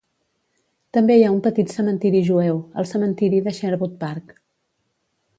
També hi ha un petit cementiri jueu, el cementiri de Sherwood Park.